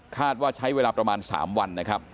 ว่าใช้เวลาประมาณ๓วันนะครับ